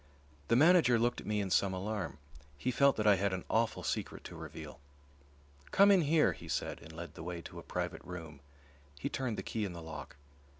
The manager looked at me in some alarm. He felt that I had an awful secret to reveal. "Come in here," he said, and led the way to a private room. He turned the key in the lock.